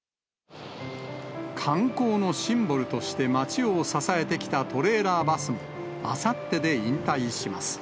観光のシンボルとして街を支えてきたトレーラーバスも、あさってで引退します。